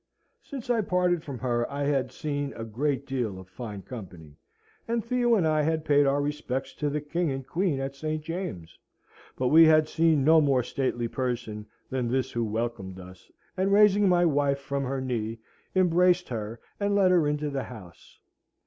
Since I parted from her I had seen a great deal of fine company, and Theo and I had paid our respects to the King and Queen at St. James's; but we had seen no more stately person than this who welcomed us, and raising my wife from her knee, embraced her and led her into the house.